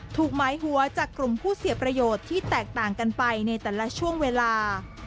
ถูกหมายหัวจากกลุ่มผู้เสียประโยชน์ที่แตกต่างกันไปในแต่ละช่วงเวลา